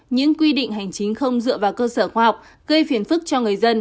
những quy định hành chính không dựa vào cơ sở khoa học gây phiền phức cho người dân